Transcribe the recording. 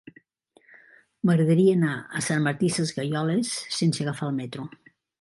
M'agradaria anar a Sant Martí Sesgueioles sense agafar el metro.